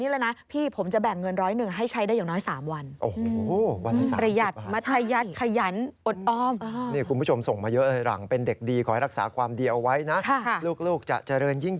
แล้วถ้าเกิดว่าน้องเค้าได้ค่าจ้าง